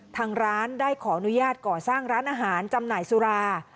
ทางร้านได้ขออนุญาตก่อสร้างร้านอาหารจำหน่ายสุรา